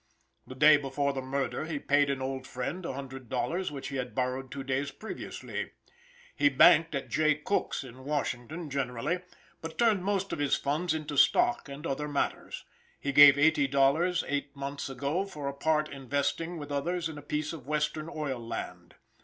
The day before the murder he paid an old friend a hundred dollars which he had borrowed two days previously. He banked at Jay Cook's in Washington, generally; but turned most of his funds into stock and other matters. He gave eighty dollars eight month's ago for a part investing with others in a piece of western oil land.